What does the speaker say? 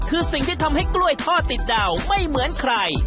คือสิ่งที่ทำให้กล้วยทอดติดดาวไม่เหมือนใคร